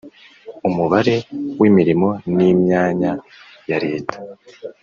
umubare w’imirimo ni myanya yareta